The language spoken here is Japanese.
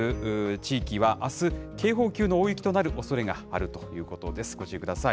地域は、あす、警報級の大雪となるおそれがあるということです、ご注意ください。